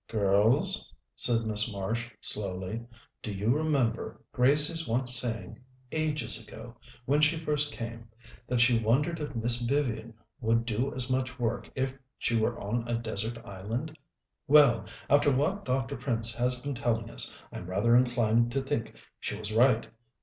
"Girls," said Miss Marsh slowly, "do you remember Gracie's once saying, ages ago, when she first came, that she wondered if Miss Vivian would do as much work if she were on a desert island? Well, after what Dr. Prince has been telling us, I'm rather inclined to think she was right.